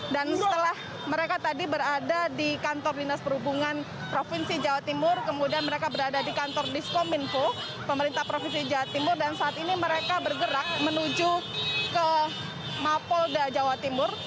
setelah mereka tadi berada di kantor dinas perhubungan provinsi jawa timur kemudian mereka berada di kantor diskominfo pemerintah provinsi jawa timur dan saat ini mereka bergerak menuju ke mapolda jawa timur